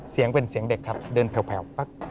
เสียงเป็นเสียงเด็กครับเดินแผลวปั๊บ